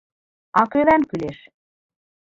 А кӧлан кӱлеш?